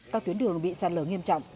các tuyến đường bị sạt lở nghiêm trọng